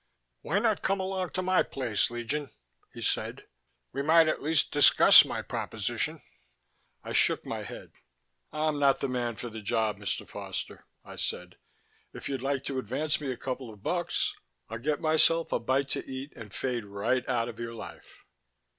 "Why not come along to my place, Legion," he said. "We might at least discuss my proposition." I shook my head. "I'm not the man for the job, Mr. Foster," I said. "If you'd like to advance me a couple of bucks, I'll get myself a bite to eat and fade right out of your life."